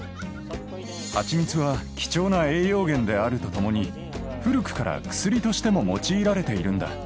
蜂蜜は貴重な栄養源であるとともに古くから薬としても用いられているんだ。